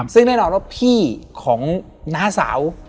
ซึ่งแน่นอนว่าพี่ของน้าสาว